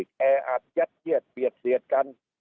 แต่อาจยัดเกลี้ยดเปรียดเสียดกัน